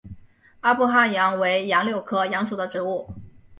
阿富汗杨为杨柳科杨属的植物。